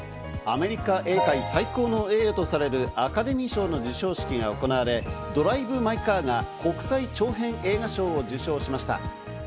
アメリカ映画界最高の栄誉とされるアカデミー賞の授賞式が行われ、『ドライブ・マイ・カー』が国際長編映画賞を受賞しました。